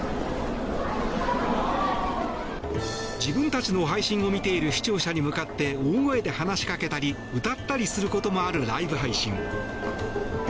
自分たちの配信を見ている視聴者に向かって大声で話しかけたり歌ったりすることもあるライブ配信。